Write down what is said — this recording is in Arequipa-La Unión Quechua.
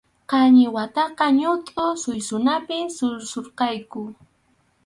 Qañiwataqa ñutʼu suysunapi suysurqayku.